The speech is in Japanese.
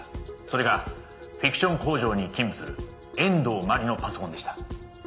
「それがフィクション工場に勤務する遠藤真理のパソコンでした」